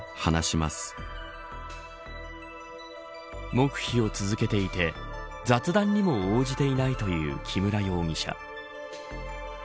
黙秘を続けていて雑談にも応じていないという木村容疑者。